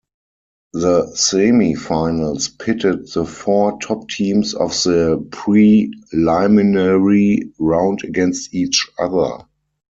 The semifinals pitted the four top teams of the preliminary round against each other.